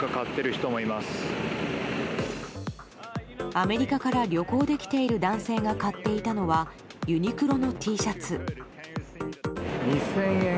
アメリカから旅行で来ている男性が買っていたのはユニクロのＴシャツ。